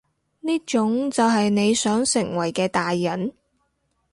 呢種就係你想成為嘅大人？